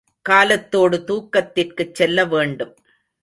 காலத்தோடு தூக்கத்திற்குச் செல்லவேண்டும்.